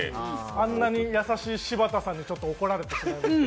あんなに優しい柴田さんに怒られてしまって。